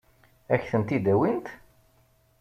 Ad k-tent-id-awint?